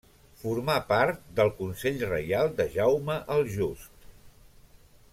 Formà part del consell reial de Jaume el Just.